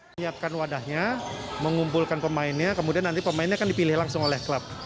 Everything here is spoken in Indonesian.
menyiapkan wadahnya mengumpulkan pemainnya kemudian nanti pemainnya akan dipilih langsung oleh klub